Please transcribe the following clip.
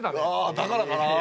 あだからかなあ？